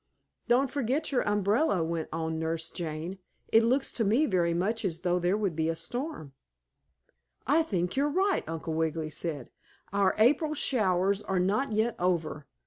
"Don't forget your umbrella," went on Nurse Jane. "It looks to me very much as though there would be a storm." "I think you're right," Uncle Wiggily said. "Our April showers are not yet over.